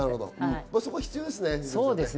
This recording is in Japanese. そこは必要ですね。